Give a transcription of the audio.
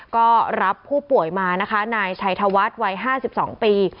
ก็รับผู้ป่วยมานะคะนายชัยธวัฒน์วัย๕๒ปี